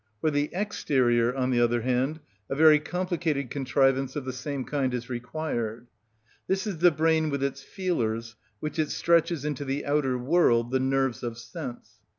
For the exterior, on the other hand, a very complicated contrivance of the same kind is required. This is the brain with its feelers, which it stretches into the outer world, the nerves of sense.